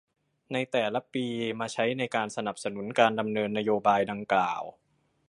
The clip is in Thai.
ในแต่ละปีมาใช้ในการสนับสนุนการดำเนินนโยบายดังกล่าว